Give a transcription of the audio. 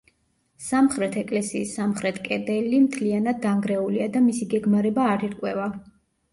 სამხრეთ ეკლესიის სამხრეთ კედელი მთლიანად დანგრეულია და მისი გეგმარება არ ირკვევა.